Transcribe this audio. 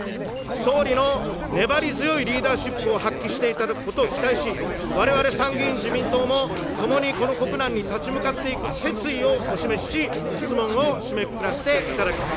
総理の粘り強いリーダーシップを発揮していただくことを期待し、われわれ参議院自民党も共にこの国難に立ち向かっていく決意をお示しし、質問を締めくくらせていただきます。